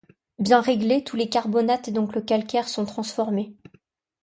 Bien réglé, tous les carbonates et donc le calcaire sont transformés.